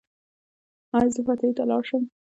ایا زه فاتحې ته لاړ شم؟